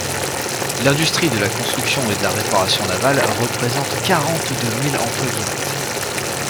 L’industrie de la construction et de la réparation navales représente quarante-deux mille emplois directs.